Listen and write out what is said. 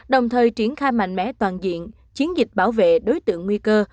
đồng thời triển khai mạnh mẽ toàn diện chiến dịch bảo vệ đối tượng nguy cơ